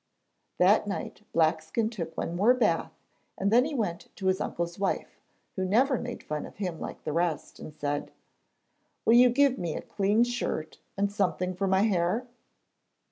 That night Blackskin took one more bath and then he went to his uncle's wife, who never made fun of him like the rest, and said: 'Will you give me a clean shirt and something for my hair?'